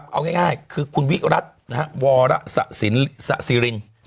เอาง่ายคือคุณวิรัติวรสะสิริน